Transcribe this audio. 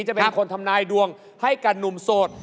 จะเป็นคนทำนายดวงให้กับหนุ่มโสด